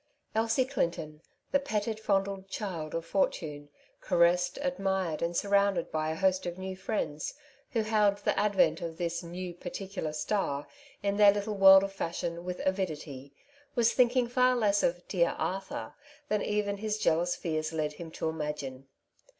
Elsie Clinton, the petted, fondled child of fortune, caressedj admired, and surrounded by a host of new friends, who hailed the advent of this '^ new particular star '^ in their little world of fashion with avidity, was thinking far less of ^^ dear Arthur " than even his jealous fears led him to imagine.